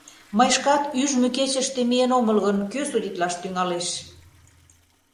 Мый шкат ӱжмӧ кечыште миен омыл гын, кӧ судитлаш тӱҥалеш?